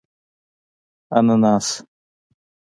🍍 انناس